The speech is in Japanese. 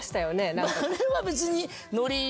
あれは別に。